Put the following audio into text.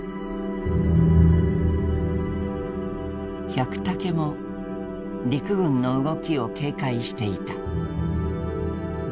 百武も陸軍の動きを警戒していた。